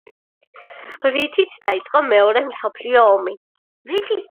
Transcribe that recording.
რითიც დაიწყო მეორე მსოფლიო ომი.